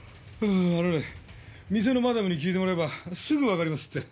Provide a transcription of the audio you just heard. あのね店のマダムに聞いてもらえばすぐわかりますって。